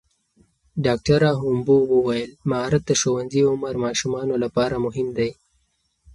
ډاکټره هومبو وویل مهارت د ښوونځي عمر ماشومانو لپاره مهم دی.